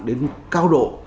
đến cao độ